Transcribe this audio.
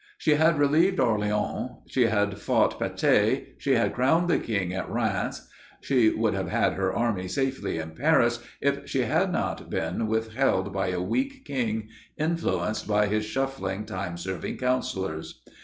She had relieved Orleans, she had fought Patay, she had crowned the king at Rheims; she would have had her army safely in Paris if she had not been withheld by a weak king, influenced by his shuffling, time serving counselors.